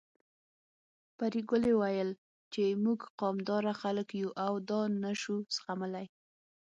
پري ګلې ويل چې موږ قامداره خلک يو او دا نه شو زغملی